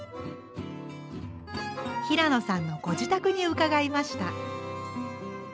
平野さんのご自宅に伺いました。